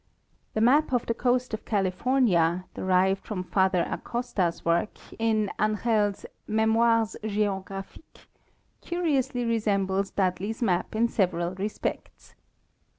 The map of the coast of California, derived from Father Acosta's work, in Angel's Mémoires Geographiques, curiously resembles Dudley's map in several respects.